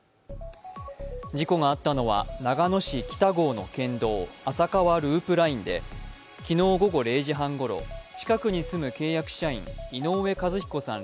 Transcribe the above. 事故があったのは、長野市北郷の県道浅川ループラインで昨日午後０時半ごろ近くに住む契約社員井上和彦さん